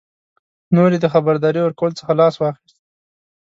نور یې د خبرداري ورکولو څخه لاس واخیست.